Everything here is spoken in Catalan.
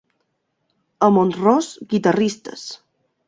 A Mont-ros, guitarristes.